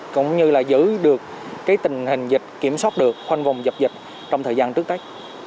cũng như giữ được tình hình dịch kiểm soát được khoanh vòng dập dịch trong thời gian trước tới